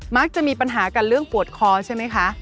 มักจะมีปัญหากันเรื่องปวดคอใช่ไหมคะ